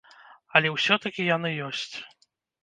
Але ўсё-такі яны ёсць.